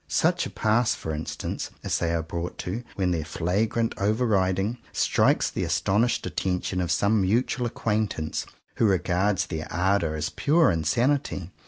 Such a pass, for instance, as they are brought to, when their flagrant over riding strikes the 134 JOHN COWPER POWYS astonished attention of some mutual ac quaintance, who regards their ardour as pure insanity.